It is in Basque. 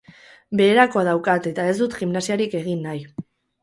Beherakoa daukat eta ez dut gimnasiarik egin nahi.